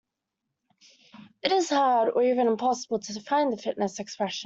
It is hard or even impossible to define the fitness expression.